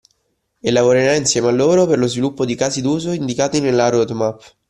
E lavorerà insieme a loro per lo sviluppo di casi d’uso indicati nella roadmap.